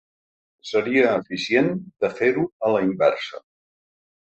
Seria eficient de fer-ho a la inversa.